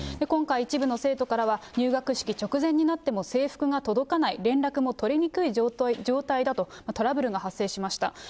今回、一部の生徒からは、入学式直前になっても制服が届かない、連絡も取りにくい状態だと、トラブルが発生しました。